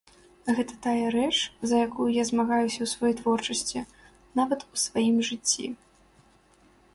Гэта тая рэч, за якую я змагаюся ў сваёй творчасці, нават у сваім жыцці.